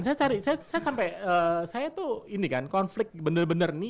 saya cari saya sampai saya tuh ini kan konflik bener bener nih